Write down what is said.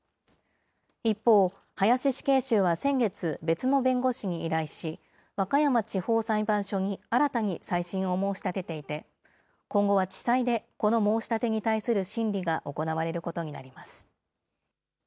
一方、林死刑囚は先月、別の弁護士に依頼し、和歌山地方裁判所に新たに再審を申し立てていて、今後は地裁でこの申し立てに対する審理が行われることになります。